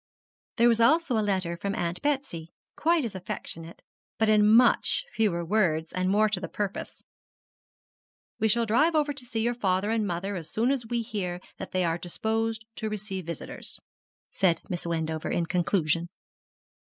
There was also a letter from Aunt Betsy, quite as affectionate, but in much fewer words, and more to the purpose. 'We shall drive over to see your father and mother as soon as we hear that they are disposed to receive visitors,' said Miss Wendover in conclusion.